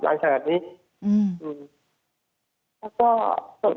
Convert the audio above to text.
ภรรยาคนเดียวครับ